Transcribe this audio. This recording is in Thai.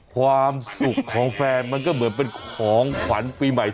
ความสุขของแฟนมันก็เหมือนเป็นของขวัญปีใหม่